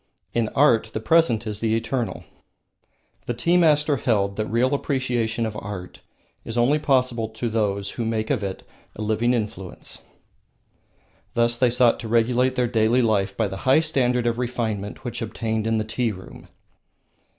In art the present is the eternal. The tea masters held that real appreciation of art is only possible to those who make of it a living influence. Thus they sought to regulate their daily life by the high standard of refinement which obtained in the tea room.